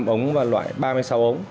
hai mươi năm ống và loại ba mươi sáu ống